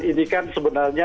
ini kan sebenarnya